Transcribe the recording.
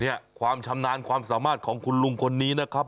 ความชำนาญความสามารถของคุณลุงคนนี้นะครับ